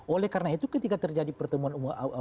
oleh karena itu ketika terjadi pertemuan